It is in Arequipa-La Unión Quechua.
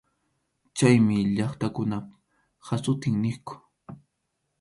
Chaymi llaqtakunap hasut’in niqku.